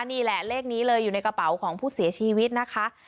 นี่แหละเลขนี้เลยอยู่ในกระเป๋าของผู้เสียชีวิตนะคะ